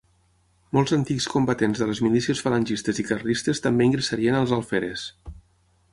Molts antics combatents de les milícies falangistes i carlistes també ingressarien als alferes.